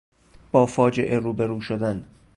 با فاجعه روبرو شدن